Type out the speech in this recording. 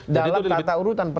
dalam kata urutan perundang undang